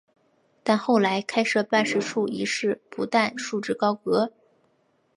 但后来开设办事处一事不但束之高阁。